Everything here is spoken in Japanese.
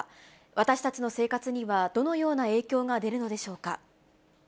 私たちの生活にはどのような影響が出るのでしょうか。